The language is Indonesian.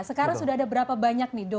sekarang sudah ada berapa banyak nih dok